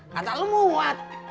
kata lo muat